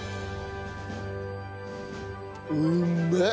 うっめえ！